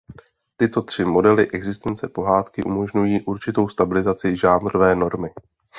Tyto tři modely existence pohádky umožňují určitou stabilizaci žánrové normy.